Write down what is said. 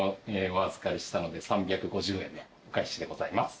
お預かりしたので３５０円のお返しでございます。